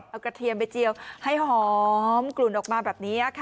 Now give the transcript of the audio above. เอากระเทียมไปเจียวให้หอมกลุ่นออกมาแบบนี้ค่ะ